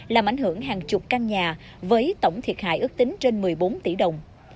làm ảnh hưởng hàng chục căn nhà với tổng thiệt hại ước tính trên một mươi bốn tỷ đồng